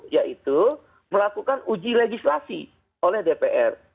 yaitu melakukan uji legislasi oleh dpr